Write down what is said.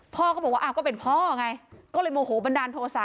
พ่อก็บอกว่าอ้าวก็เป็นพ่อไงก็เลยโมโหบันดาลโทษะ